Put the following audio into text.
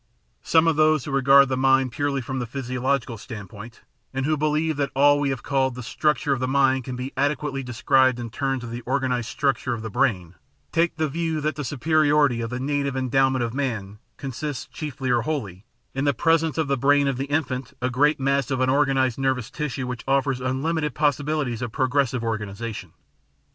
Some of those who regard the mind purely from the physiological standpoint, and who be lieve that all we have called the structure of the mind can be adequately described in terms of the organised structure of the brain, take the view that the superiority of the native en dowment of man consists, chiefly or wholly, in the presence in the brain of the infant of a great mass of unorganised nervous tissue which offers unlimited possibilities of pro gressive organisation.